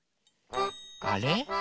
あれ？